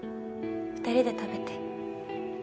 ２人で食べて。